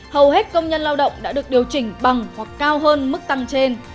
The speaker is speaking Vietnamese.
hầu hết công nhân lao động đã được điều chỉnh bằng hoặc cao hơn mức tăng trên